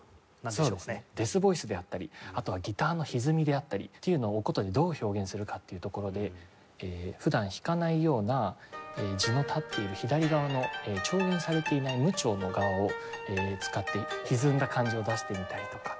そうですねデスボイスであったりあとはギターのひずみであったりっていうのを箏でどう表現するかっていうところで普段弾かないような柱の立っている左側の調弦されていない無調の側を使ってひずんだ感じを出してみたりとか。